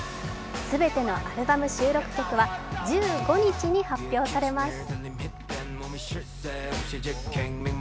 全てのアルバム収録曲は１５日に発表されます。